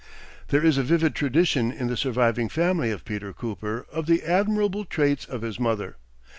There is a vivid tradition in the surviving family of Peter Cooper of the admirable traits of his mother.